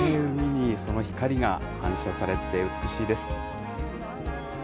海にその光が反射されて、美しいです。